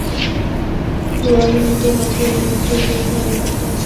Probablemente no fue un núcleo de gran importancia.